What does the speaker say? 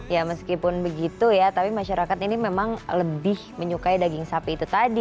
ya meskipun begitu ya tapi masyarakat ini memang lebih menyukai daging sapi itu tadi